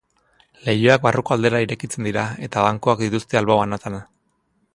Leihoak barruko aldera irekitzen dira eta bankuak dituzte albo banatan.